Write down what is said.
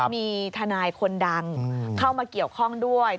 มีทนายคนดังเข้ามาเกี่ยวข้องด้วย